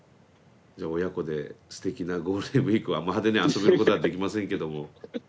じゃあ親子ですてきなゴールデンウイークはあんま派手に遊べることはできませんけども。